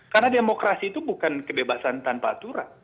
karena demokrasi itu bukan kebebasan tanpa aturan